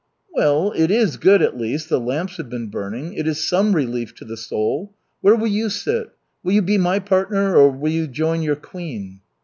"Well, it is good at least the lamps have been burning. It is some relief to the soul. Where will you sit? Will you be my partner, or will you join your queen?"